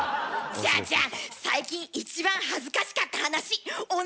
じゃあじゃあ最近一番恥ずかしかった話お願いします！